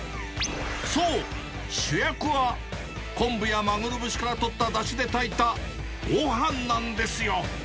そう、主役は昆布やマグロ節からとっただしで炊いたごはんなんですよ。